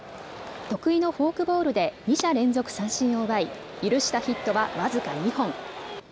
得意のフォークボールで２者連続三振を奪い許したヒットは僅か２本。